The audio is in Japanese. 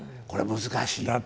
これ難しい。